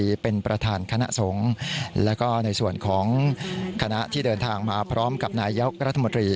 ประธานคณะสงฆ์แล้วก็ในส่วนของคณะที่เดินทางมาพร้อมกับนายยกรัฐมนตรี